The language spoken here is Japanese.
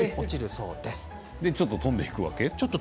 それでちょっと飛んでいくわけ？